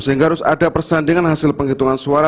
sehingga harus ada persandingan hasil penghitungan suara